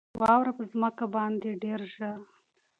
واوره په مځکه باندې ډېره ژر ویلي کېده.